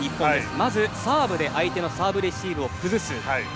まずサーブで相手のサーブレシーブを崩す。